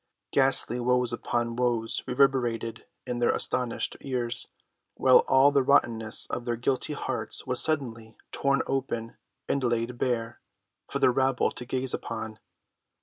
Ghastly woes upon woes reverberated in their astonished ears, while all the rottenness of their guilty hearts was suddenly torn open and laid bare for the rabble to gaze upon.